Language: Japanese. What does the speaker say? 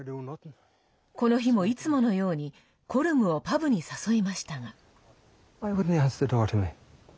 この日もいつものようにコルムをパブに誘いましたが。